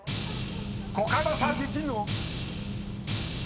［コカドさん］